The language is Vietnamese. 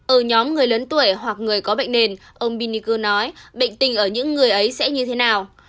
ở nhóm người lớn tuổi hoặc người có bệnh nền ông biniku nói bệnh tình ở những người ấy sẽ như thế nào